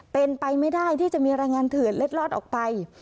เป็นไปไม่ได้ที่จะมีรายงานเถื่อนเล็ดลอดออกไป